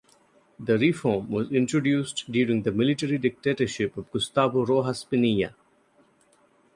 The reform was introduced during the military dictatorship of Gustavo Rojas Pinilla.